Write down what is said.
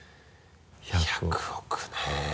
１００億ね。